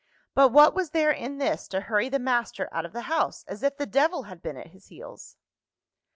But what was there in this to hurry the master out of the house, as if the devil had been at his heels?